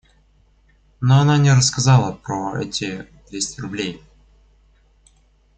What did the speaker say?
Но она не рассказала про эти двести рублей.